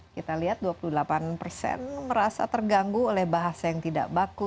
kita lihat dua puluh delapan persen merasa terganggu oleh bahasa yang tidak baku